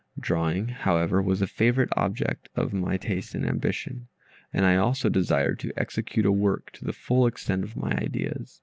Drawing, however, was a favorite object of my taste and ambition, and I also desired to execute a work to the full extent of my ideas.